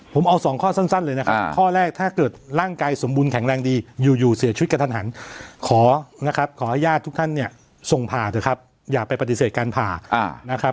ผมเอาสองข้อสั้นเลยนะครับข้อแรกถ้าเกิดร่างกายสมบูรณแข็งแรงดีอยู่เสียชีวิตกระทันหันขอนะครับขอให้ญาติทุกท่านเนี่ยส่งผ่าเถอะครับอย่าไปปฏิเสธการผ่านะครับ